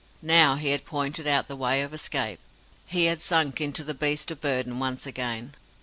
Now he had pointed out the way of escape, he had sunk into the beast of burden once again.